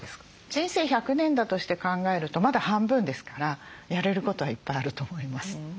人生１００年だとして考えるとまだ半分ですからやれることはいっぱいあると思います。